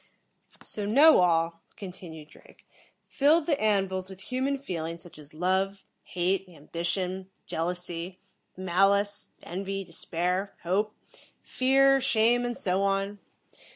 "So, Knowall," continued Drake, "filled the An vils with human feelings such as Love, Hate, Ambition, Jealousy, Malice, Envy, Despair, Hope, Fear, Shame and so on.